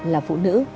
là phụ nữ